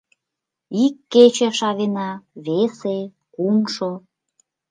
Ик кече шавена, весе, кумшо...